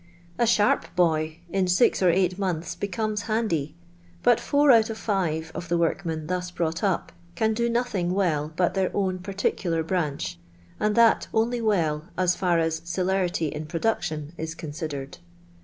A sharp boy, in six or eight months, becomes " handy ;" but four out of five of the workmen thus brought up can do nothing well but their own particular liranch, and that only well %is far as celerity in production is considered.